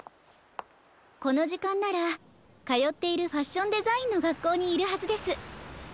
このじかんならかよっているファッションデザインのがっこうにいるはずです。